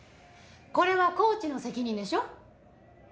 これはコーチの責任でしょ？